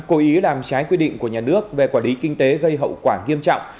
cố ý làm trái quy định của nhà nước về quản lý kinh tế gây hậu quả nghiêm trọng